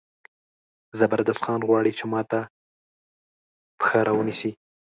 زبردست خان غواړي چې ما ته پښه را ونیسي.